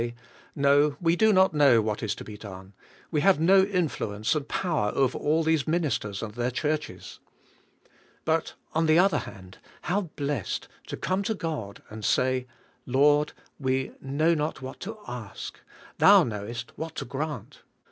}', "No, we do not know what is to be done; we have no influence and power over all these ministers and their churches." But on the other hand, how blessed to come to God and say, "Lord, we know not what to ask. Thou knowest what to grant."